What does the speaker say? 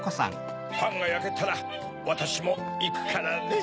パンがやけたらわたしもいくからね。